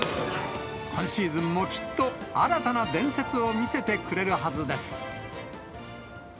今シーズンもきっと新たな伝説を見せてくれるはずです。